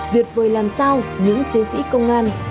việt vời làm sao những chiến sĩ công an